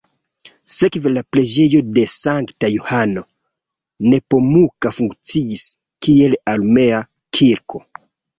Sekve la preĝejo de sankta Johano Nepomuka funkciis kiel armea kirko.